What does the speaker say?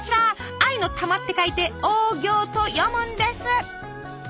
愛の玉って書いて「オーギョー」と読むんです。